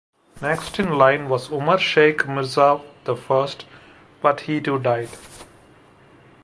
Next in line was Umar Shaikh Mirza I but he too died.